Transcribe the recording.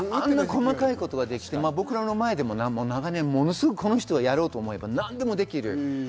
あんな細かいことができて僕らの中でもものすごくこの人はやろうと思えば何でもできる。